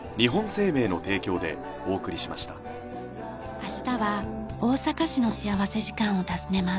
明日は大阪市の幸福時間を訪ねます。